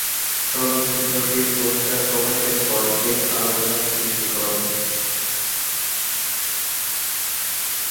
চলচ্চিত্রটির পোস্টার প্রকাশের পর বেশ আলোচনার সৃষ্টি করে।